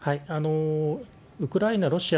ウクライナ、ロシア